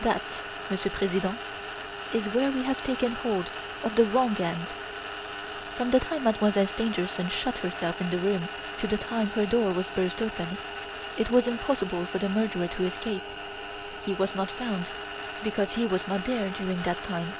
"That, Monsieur President, is where we have taken hold of the wrong end. From the time Mademoiselle Stangerson shut herself in the room to the time her door was burst open, it was impossible for the murderer to escape. He was not found because he was not there during that time."